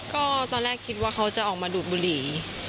ก็ตอนแรกคิดว่าเขาจะออกมาดูดบุหรี่